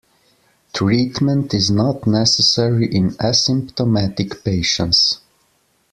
Treatment is not necessary in asymptomatic patients.